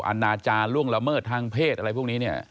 อาณาจารย์ล่วงละเมิดทางเพศอะไรพวกนี้เนี่ย